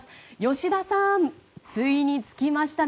吉田さん、ついに着きましたね！